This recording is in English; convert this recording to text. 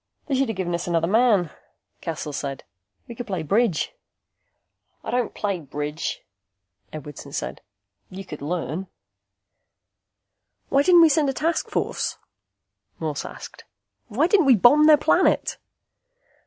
"They should have given us another man," Cassel said. "We could play bridge." "I don't play bridge," Edwardson said. "You could learn." "Why didn't we send a task force?" Morse asked. "Why didn't we bomb their planet?"